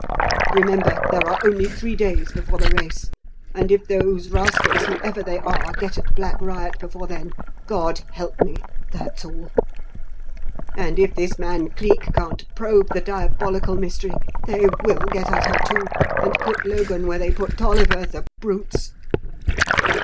Remember, there are only three days before the race, and if those rascals, whoever they are, get at Black Riot before then, God help me that's all! And if this man Cleek can't probe the diabolical mystery, they will get at her, too, and put Logan where they put Tolliver, the brutes!"